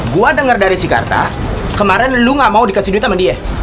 gue dengar dari si karta kemarin lo gak mau dikasih duit sama dia